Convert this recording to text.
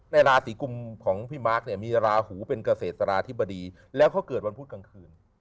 ราศีกุมของพี่มาร์คเนี่ยมีราหูเป็นเกษตราธิบดีแล้วเขาเกิดวันพุธกลางคืน